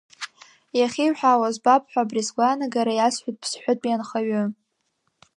Иахиҳәаауа збап ҳәа, абри сгәаанагара иасҳәеит ԥсҳәытәи анхаҩы.